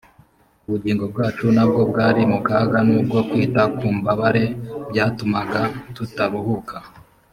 ubugingo bwacu na bwo bwari mu kaga n’ubwo kwita ku mbabare byatumaga tutaruhuka